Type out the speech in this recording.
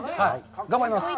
頑張ります！